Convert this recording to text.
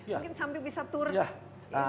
mungkin sambil bisa turun